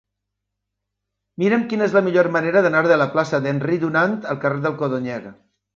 Mira'm quina és la millor manera d'anar de la plaça d'Henry Dunant al carrer del Codonyer.